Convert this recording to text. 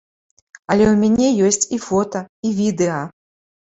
Але ў мяне ёсць і фота, і відэа.